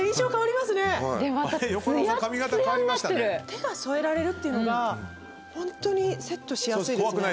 手が添えられるっていうのがホントにセットしやすいですね。